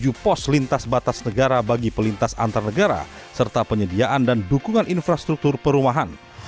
dan telah menjelaskan kepentingan atas negara bagi pelintas antar negara serta penyediaan dan dukungan infrastruktur perumahan